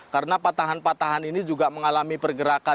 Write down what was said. karena patahan patahan ini juga mengalami pergerakan